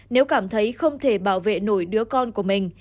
nếu cảm thấy không thể bảo vệ nổi đứa con của mình